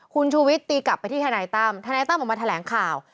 คุณชูวิทยตีกลับไปที่ทนายตั้มทนายตั้มออกมาแถลงข่าว